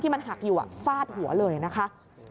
มันหักอยู่ฟาดหัวเลยนะคะ